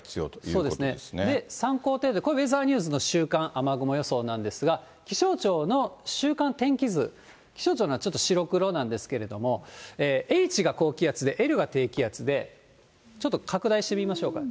そうですね、参考程度、これ、ウェザーニューズの週間雨雲予想なんですが、気象庁の週間天気図、気象庁のはちょっと白黒なんですけれども、Ｈが高気圧でＬが低気圧で、ちょっと拡大してみましょうか。